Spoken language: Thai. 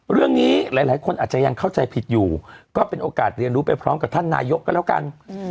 เรื่องนี้หลายคนอาจจะยังเข้าใจผิดอยู่ก็เป็นโอกาสเรียนรู้ไปพร้อมกับท่านนายกก็แล้วกัน